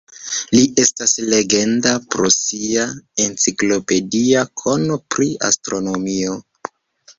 Li estas legenda pro sia enciklopedia kono pri astronomio.